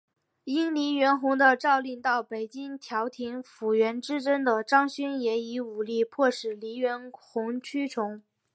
应黎元洪的召令到北京调停府院之争的张勋也以武力迫使黎元洪屈从。